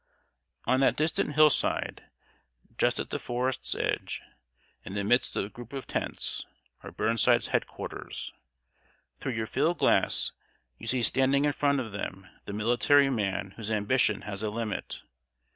] On that distant hill side, just at the forest's edge, in the midst of a group of tents, are Burnside's head quarters. Through your field glass, you see standing in front of them the military man whose ambition has a limit.